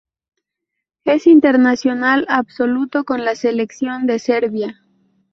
Es internacional absoluto con la selección de Serbia.